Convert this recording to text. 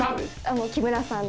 もう木村さんで。